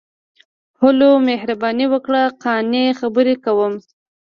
ـ هلو، مهرباني وکړئ، قانع خبرې کوم.